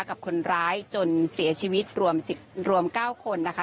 กับคนร้ายจนเสียชีวิตรวม๙คนนะคะ